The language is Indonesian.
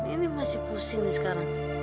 ini masih pusing nih sekarang